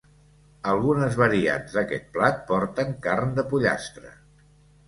Algunes variants d'aquest plat porten carn de pollastre.